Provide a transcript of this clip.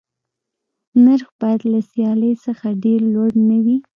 نرخ باید له سیالۍ څخه ډېر لوړ نه وي.